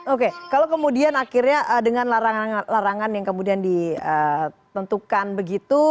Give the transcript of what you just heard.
oke kalau kemudian akhirnya dengan larangan yang kemudian ditentukan begitu